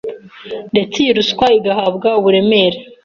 ndetse iyi ruswa igahabwa uburemere